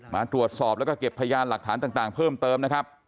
มาตรวจสอบแล้วก็เก็บพยานหลักฐานต่างเพิ่มเติมนะครับ